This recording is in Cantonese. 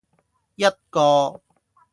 一個